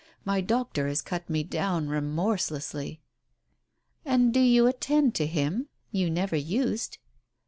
My doctor has cut me down remorselessly." "And do you attend to him? You never used."